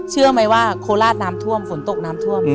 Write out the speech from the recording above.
เชื่อไหมว่าโคราชน้ำท่วมฝนตกน้ำท่วม